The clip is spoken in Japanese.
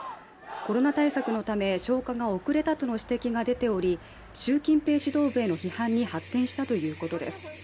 コロナ対策のため消火が遅れたとの指摘が出ており習近平指導部への批判に発展したということです。